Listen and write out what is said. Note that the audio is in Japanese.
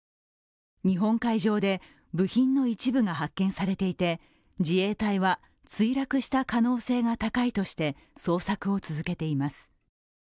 日本海上で部品の一部が発見されていて、自衛隊は墜落した可能性が高いとして捜索を続けています。